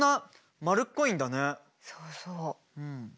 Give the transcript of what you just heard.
そうそう。